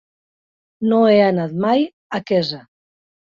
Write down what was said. No he anat mai a Quesa.